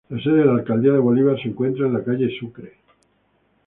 La sede de la alcaldía de Bolívar se encuentra en la Calle Sucre.